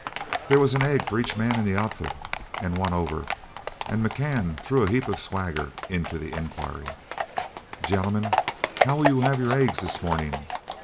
There was an egg for each man in the outfit and one over, and McCann threw a heap of swagger into the inquiry, "Gentlemen, how will you have your eggs this morning?"